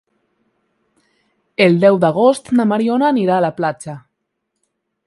El deu d'agost na Mariona anirà a la platja.